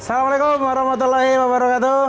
assalamualaikum warahmatullahi wabarakatuh